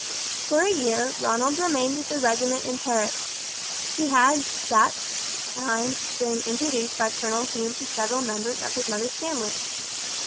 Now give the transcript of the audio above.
For a year Ronald remained with the regiment in Paris. He had during that time been introduced by Colonel Hume to several members of his mother's family.